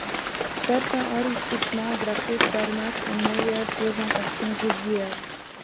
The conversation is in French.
Certains enrichissements graphiques permettent une meilleure présentation visuelle.